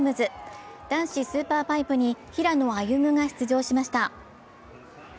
男子スーパーパイプに平野歩夢が出場しました。